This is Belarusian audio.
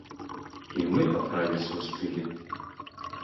І мы аправіцца ўспелі.